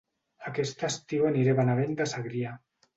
Aquest estiu aniré a Benavent de Segrià